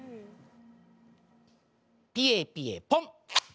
ピエピエポンッ。